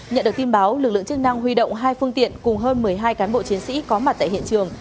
nhận được tin báo lực lượng chức năng huy động hai phương tiện cùng hơn một mươi hai cán bộ chiến sĩ có mặt tại hiện trường